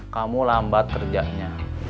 kamu lambat kerjanya